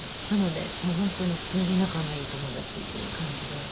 なのでもう本当に普通に仲のいい友達という感じで。